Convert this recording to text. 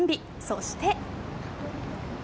そして。